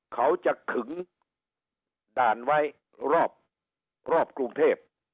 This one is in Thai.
เขาจะขึงด่านไว้รอบกรุงเทพ